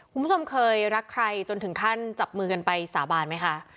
คุณผู้ชมเคยรักใครจนถึงขั้นจับมือกันไปสาบานไหมคะ